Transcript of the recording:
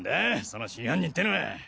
その真犯人ってのは。